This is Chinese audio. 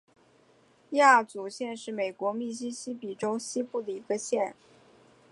亚祖县是美国密西西比州西部的一个县。